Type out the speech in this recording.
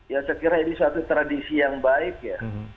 ya saya kira ini suatu tradisi yang baik ya